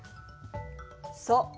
そう。